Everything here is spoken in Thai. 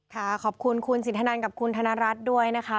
ขอบคุณคุณสินทนันกับคุณธนรัฐด้วยนะคะ